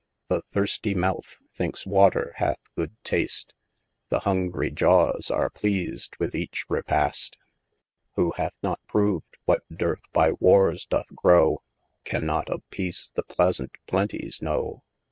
The thirstie mouth thinkes water hath good taste, The hungrie jawes, are pleas'd, with eche repaste : Who hath not prov'd what dearth by warres doth growe, Cannot of peace the pleasaunt plenties knowe.